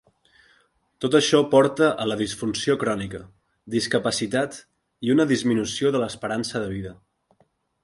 Tot això porta a la disfunció crònica, discapacitat i una disminució de l'esperança de vida.